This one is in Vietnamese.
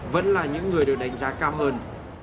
vẫn là những người được đánh giá cao hơn